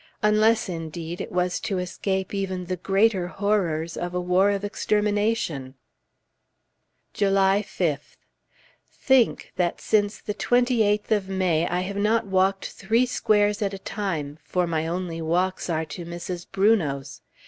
unless, indeed, it was to escape even the greater horrors of a war of extermination. July 5th. Think, that since the 28th of May, I have not walked three squares at a time, for my only walks are to Mrs. Brunot's!